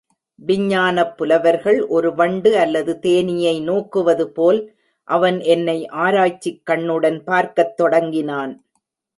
விஞ்ஞானப் புலவர்கள் ஒரு வண்டு அல்லது தேனீயை நோக்குவது போல் அவன் என்னை ஆராய்ச்சிக் கண்ணுடன் பார்க்கத் தொடங்கினான்.